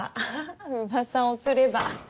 噂をすれば。